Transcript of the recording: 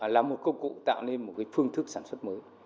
là một công cụ tạo nên một phương thức sản xuất mới